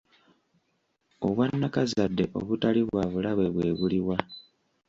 Obwannakazadde obutali bwa bulabe bwe buliwa?